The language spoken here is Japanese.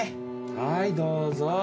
はいどうぞ。